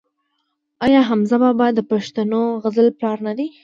آیا حمزه بابا د پښتو غزل پلار نه دی؟